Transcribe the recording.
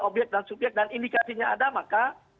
obyek dan subyek dan indikasinya ada maka